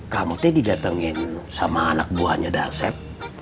kamu teh didatengin sama anak buahnya dasep